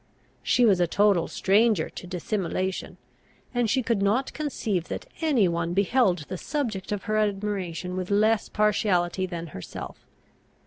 She was a total stranger to dissimulation; and she could not conceive that any one beheld the subject of her admiration with less partiality than herself.